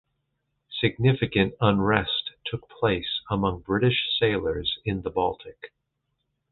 Significant unrest took place among British sailors in the Baltic.